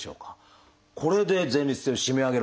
これで前立腺を締め上げるわけですね。